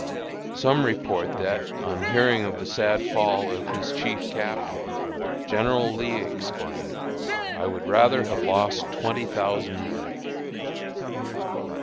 Some report that, on hearing of the sad fall of his chief Captain, General Lee exclaimed, "I would rather have lost twenty thousand men!"